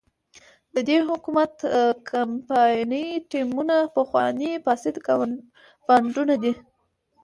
د دې حکومت کمپایني ټیمونه پخواني فاسد بانډونه دي.